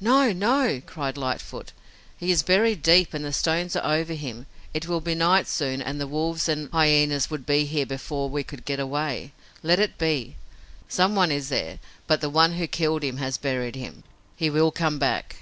"No! No!" cried Lightfoot. "He is buried deep and the stones are over him. It will be night soon and the wolves and hyenas would be here before we could get away. Let it be. Someone is there, but the one who killed him has buried him. He will come back!"